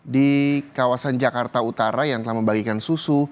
di kawasan jakarta utara yang telah membagikan susu